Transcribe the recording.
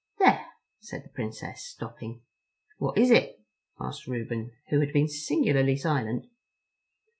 "There," said the Princess, stopping. "What is it?" asked Reuben, who had been singularly silent.